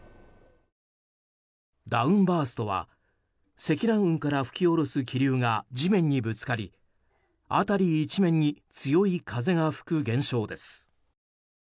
ダウンバーストは積乱雲から吹き下ろす気流が地面にぶつかり、辺り一面に強い風が吹く現象です。